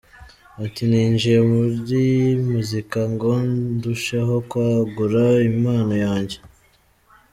Ati “ Ninjiye muri muzika ngo ndusheho kwagura impano yanjye.